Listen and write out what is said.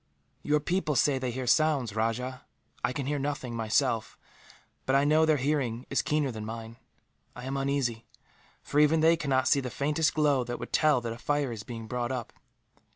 "Your people say they hear sounds, Rajah. I can hear nothing, myself, but I know their hearing is keener than mine. I am uneasy, for even they cannot see the faintest glow that would tell that a fire is being brought up.